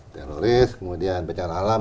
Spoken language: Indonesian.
teroris kemudian bencana alam